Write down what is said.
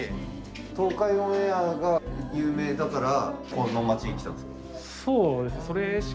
東海オンエアが有名だからこの町に来たんですか？